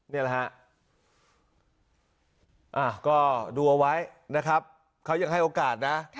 นี่แหละฮะก็ดูเอาไว้นะครับเขายังให้โอกาสนะ